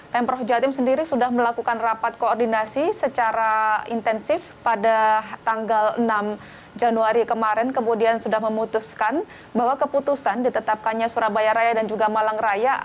pemprov jatim sendiri sudah melakukan rapat koordinasi secara intensif pada tanggal enam januari kemarin kemudian sudah memutuskan bahwa keputusan ditetapkannya surabaya raya dan juga malang raya